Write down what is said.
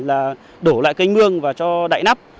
là đổ lại cây mương và cho đại nắp